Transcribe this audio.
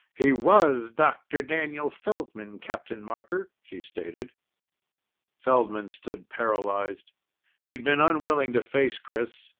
"He was Doctor Daniel Feldman, Captain Marker," she stated. Feldman stood paralyzed. He'd been unwilling to face Chris.